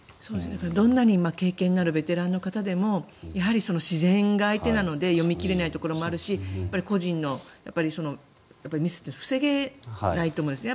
どんなに経験のあるベテランの方でも自然が相手なので読み切れないところもあるし個人のミスって防げないと思うんですね。